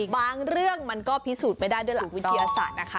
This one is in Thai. บางเรื่องมันก็พิสูจน์ไม่ได้ด้วยหลักวิทยาศาสตร์นะคะ